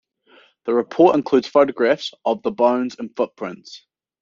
The report includes photographs of the bones and footprints.